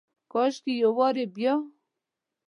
کاشکي یو وارې بیا،